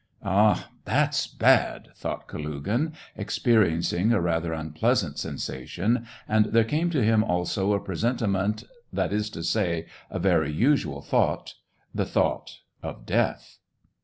" Ah, that's bad !" thought Kalugin, experi SEVASTOPOL IN MAY. 79 encing a rather unpleasant sensation, and there came to him also a presentiment, that is to say, a very usual thought — the thought of death.